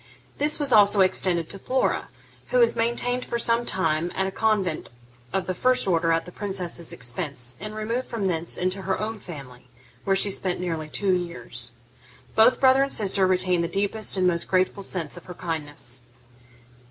This was also extended to Flora, who was maintained for some time at a convent of the first order at the princess's expense, and removed from thence into her own family, where she spent nearly two years. Both brother and sister retained the deepest and most grateful sense of her kindness.